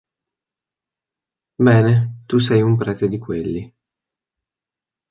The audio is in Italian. Bene tu sei un prete di quelli.